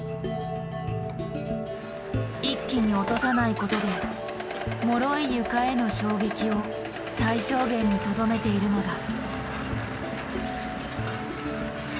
一気に落とさないことでもろい床への衝撃を最小限にとどめているのだ。